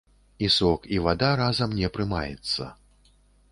І сок, і вада разам не прымаецца.